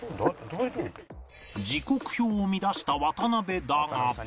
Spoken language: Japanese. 時刻表を見だした渡辺だが